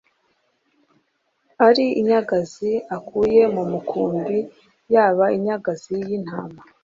ari inyagazi akuye mu mukumbi yaba inyagazig y intama